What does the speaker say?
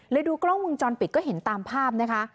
ดูกล้องวงจรปิดก็เห็นตามภาพนะคะ